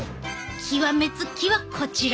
極め付きはこちら！